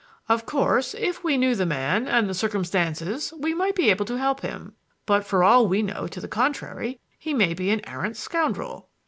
Of course, if we knew the man and the circumstances we might be able to help him; but for all we know to the contrary, he may be an arrant scoundrel."